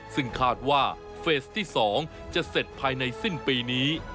ซึ่งคาดว่าเฟสที่๒จะเสร็จภายในสิ้นปีนี้